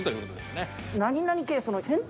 何々系。